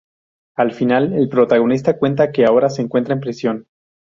Al final, el protagonista cuenta que ahora se encuentra en prisión.